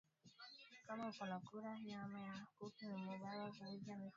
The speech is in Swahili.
Kama uko na kula nyama ya nkuku ni mubaya kuvunja mufupa